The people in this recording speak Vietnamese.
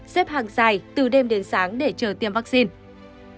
xếp hàng dài từ đêm đến sáng để chờ tiêm vaccine